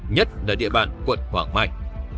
nhất là địa bàn quận hoàng mai